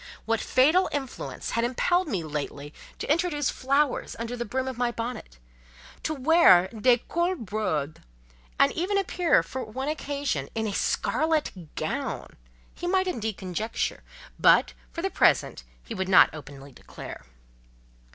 What fatal influence had impelled me lately to introduce flowers under the brim of my bonnet, to wear 'des cols brodés,' and even to appear on one occasion in a scarlet gown—he might indeed conjecture, but, for the present, would not openly declare."